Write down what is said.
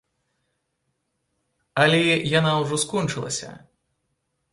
Але яна ўжо скончылася.